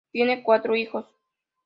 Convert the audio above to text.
Tiene cuatro hijos